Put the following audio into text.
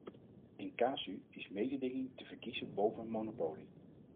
In casu is mededinging te verkiezen boven een monopolie.